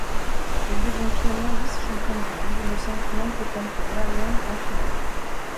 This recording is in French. Il devient finalement vice-champion du monde, ne s'inclinant que contre Ma Long en finale.